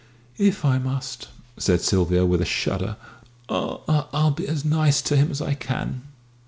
"If I must," said Sylvia, with a shudder, "I I'll be as nice to him as I can."